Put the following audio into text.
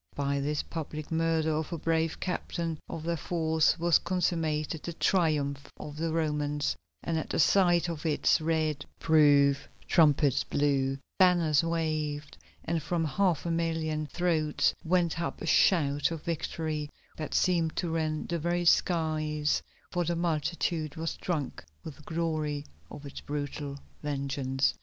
By this public murder of a brave captain of their foes was consummated the Triumph of the Romans, and at the sight of its red proof trumpets blew, banners waved, and from half a million throats went up a shout of victory that seemed to rend the very skies, for the multitude was drunk with the glory of its brutal vengeance.